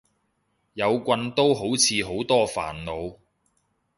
有棍都好似好多煩惱